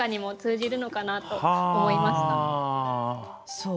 そう？